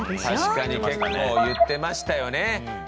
確かに結構言ってましたよね。